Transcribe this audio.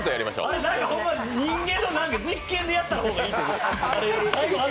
あれは人間の実験でやった方がいい。